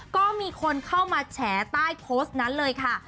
ก็มีคนเข้ามาแฉใต้โพสต์นั้นเลยค่ะ